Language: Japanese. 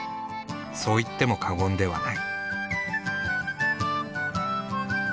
そう言っても過言ではない。